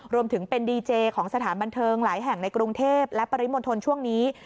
รวมถึงเป็นดีเจของสถานบันเทิงหลายแห่งในกรุงเทพและปริมณฑลช่วงนี้